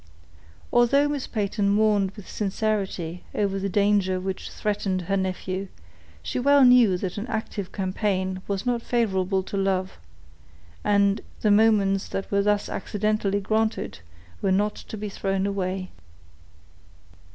Although Miss Peyton mourned with sincerity over the danger which threatened her nephew, she well knew that an active campaign was not favorable to love, and the moments that were thus accidentally granted were not to be thrown away.